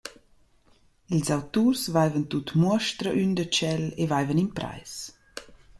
Ils auturs vaivan tut muostra ün da tschel e vaivan imprais.